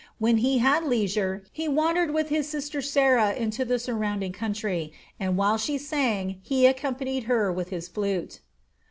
When he had leisure, he wandered with his sister Sarah into the surrounding country; and while she sang, he accompanied her with his flute.